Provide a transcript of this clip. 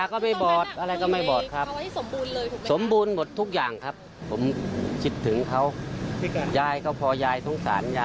ขนาดที่รอง